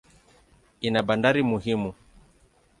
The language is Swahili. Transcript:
Ina bandari muhimu.